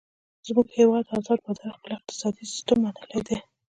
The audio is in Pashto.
زمونږ هیواد ازاد بازار خپل اقتصادي سیستم منلی دی.